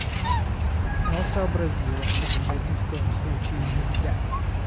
Но сообразила, что бежать ни в коем случае нельзя.